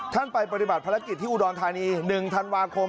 ไปปฏิบัติภารกิจที่อุดรธานี๑ธันวาคม